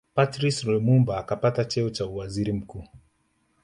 Patrice Lumumba akapata cheo cha uwaziri mkuu